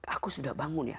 aku sudah bangun ya